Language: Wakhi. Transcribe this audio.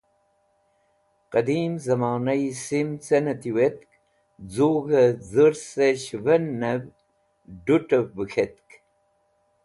Qẽdim zẽmonayi sim cẽ nẽ tiwetk z̃ug̃hẽ dhũrsẽ shẽvẽnẽv d̃ut̃ẽv bẽ ket̃tk.